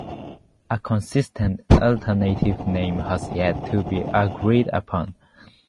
A consistent, alternative name has yet to be agreed upon.